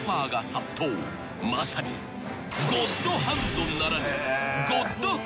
［まさにゴッドハンドならぬ］